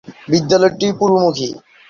বিদ্যালয়টি পূর্বমুখী।